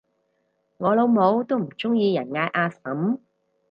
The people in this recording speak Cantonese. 我老母都唔鍾意人嗌阿嬸